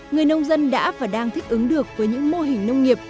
người nông dân đã và đang thích ứng được với những mô hình nông nghiệp